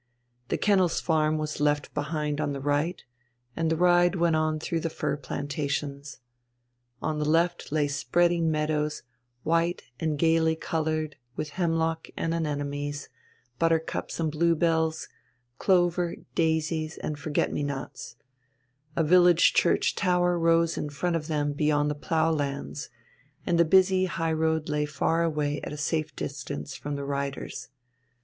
The Kennels Farm was left behind on the right, and the ride went on through the fir plantations. On the left lay spreading meadows, white and gaily coloured with hemlock and anemones, buttercups and bluebells, clover, daisies, and forget me nots; a village church tower rose in front of them beyond the plough lands, and the busy high road lay far away at a safe distance from the riders.